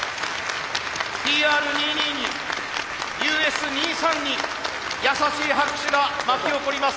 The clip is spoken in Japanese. ＴＲ２２にＵＳ２３．に優しい拍手が巻き起こります。